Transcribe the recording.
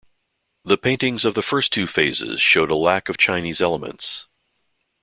The paintings of the first two phases showed a lack of Chinese elements.